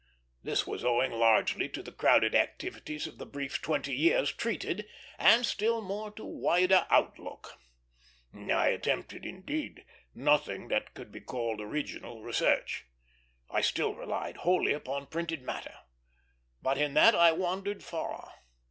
This was owing largely to the crowded activities of the brief twenty years treated, and still more to wider outlook. I attempted, indeed, nothing that could be called original research. I still relied wholly upon printed matter, but in that I wandered far.